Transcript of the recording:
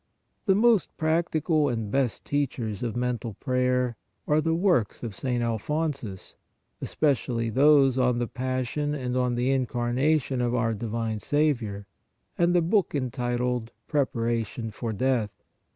The most practical and best teachers of mental prayer are the works of St. Alphonsus, especially those on the Passion and on the Incarnation of our divine Saviour, and the book entitled " Preparation for Death."